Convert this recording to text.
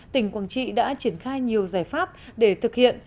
tỉnh quảng trị đã triển khai nhiều giải pháp để thực hiện